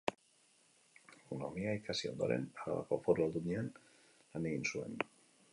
Ekonomia ikasi ondoren, Arabako Foru Aldundian lan egin zuen.